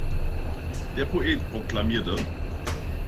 Der Poet proklamierte.